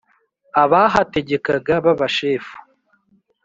Abahategekaga b'abashefu